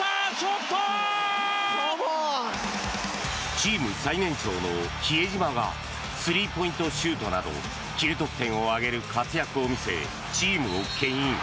チーム最年長の比江島がスリーポイントシュートなど９得点を挙げる活躍を見せチームをけん引。